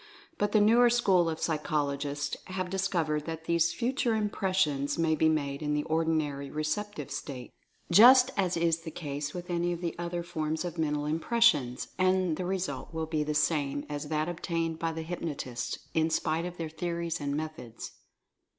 But the newer school of psychologists have discovered that these Future Impressions may be made in the ordinary receptive state, just as is the case with any of the other forms of Mental Impressions, and the result will be the same as that obtained by the hypnotists, in spite of their theories and methods.